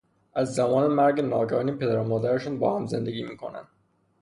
از زمان مرگ ناگهانی پدر و مادرشان با هم زندگی می کنند.